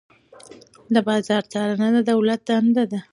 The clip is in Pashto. د بازار څارنه د دولت دنده ده.